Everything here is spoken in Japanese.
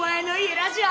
ラジオ？